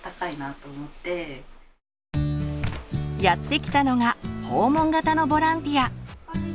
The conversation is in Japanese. やって来たのが訪問型のボランティア。